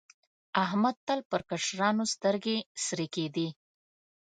احمد تل پر کشرانو سترګې سرې کېدې.